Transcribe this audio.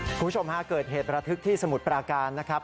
คุณผู้ชมฮะเกิดเหตุระทึกที่สมุทรปราการนะครับ